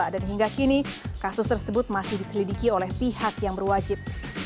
dan hingga kini kasus tersebut masih diselidiki oleh pihak yang berwajib